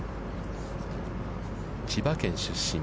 千葉県出身。